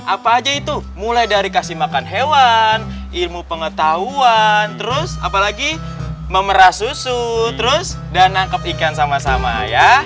apa aja itu mulai dari kasih makan hewan ilmu pengetahuan terus apalagi memerah susu terus dan nangkep ikan sama sama ya